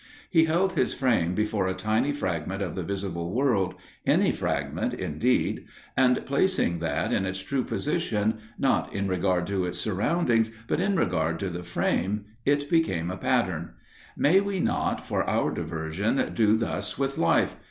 He held his frame before a tiny fragment of the visible world, any fragment, indeed, and, placing that in its true position, not in regard to its surroundings, but in regard to the frame, it became a pattern. May we not, for our diversion, do thus with Life?